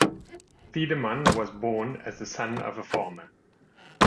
Thiedemann was born as the son of a farmer.